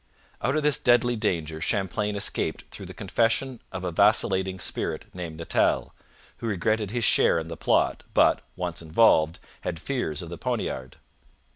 Out of this deadly danger Champlain escaped through the confession of a vacillating spirit named Natel, who regretted his share in the plot, but, once involved, had fears of the poniard.